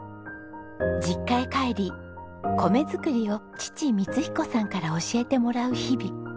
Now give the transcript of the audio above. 実家へ帰り米作りを父光彦さんから教えてもらう日々。